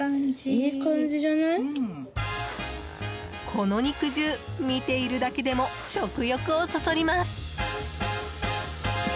この肉汁、見ているだけでも食欲をそそります。